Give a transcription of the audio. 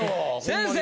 先生！